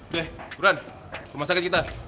nih turun rumah sakit kita